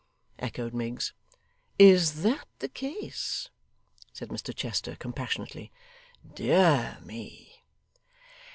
echoed Miggs. 'Is that the case?' said Mr Chester, compassionately. 'Dear me!